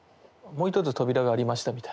もう一つ扉がありました